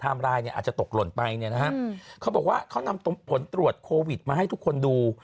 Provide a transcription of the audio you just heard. ไลน์เนี่ยอาจจะตกหล่นไปเนี่ยนะฮะเขาบอกว่าเขานำผลตรวจโควิดมาให้ทุกคนดู